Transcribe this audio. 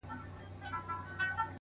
د جلادانو له تېغونو بیا د ګور تر کلي-